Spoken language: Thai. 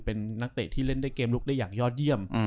เป็นนักเตะที่เล่นได้เกมลุกได้อย่างยอดเยี่ยม